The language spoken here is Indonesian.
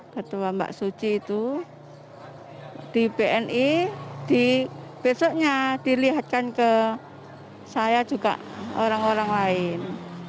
ketua mbak suci itu di bni besoknya dilihatkan ke saya juga orang orang lain